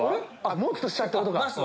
もっと下ってことか。